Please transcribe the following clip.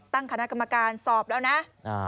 ตั้งคณะกรรมการสอบแล้วนะ